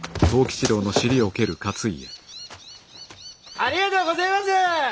ありがとうごぜます！